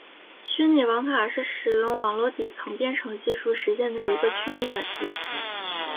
虚拟网卡是使用网络底层编程技术实现的一个驱动软件。